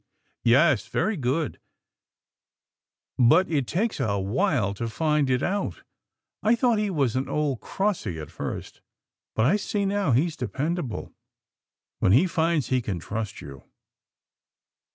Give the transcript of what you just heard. " Yes, truly good, but it takes a while to find it out. I thought he was an old crossie at first, but I see now, he's dependable, when he finds he can trust you."